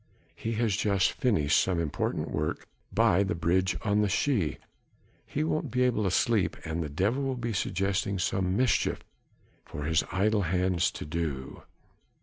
he has just finished some important work by the bridge on the Schie ... he won't be able to sleep and the devil will be suggesting some mischief for his idle hands to do.